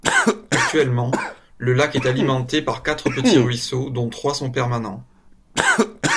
Actuellement, le lac est alimenté par quatre petits ruisseaux dont trois sont permanents.